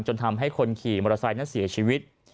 จนทำให้คนขี่มอเตอร์ไซค์นั้นเสียชีวิต